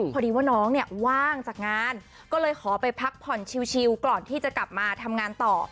พอดีว่าน้องเนี่ยว่างจากงานก็เลยขอไปพักผ่อนชิวก่อนที่จะกลับมาทำงานต่อ